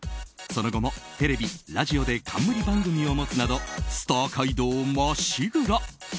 その後もテレビ、ラジオで冠番組を持つなどスター街道をまっしぐら。